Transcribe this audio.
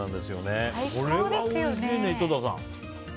これはおいしいね、井戸田さん。